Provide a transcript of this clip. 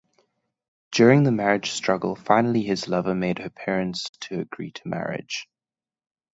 During the marriage struggle finally his lover made her parents to agree marriage.